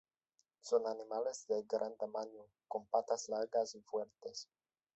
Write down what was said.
Son animales de gran tamaño, con patas largas y fuertes.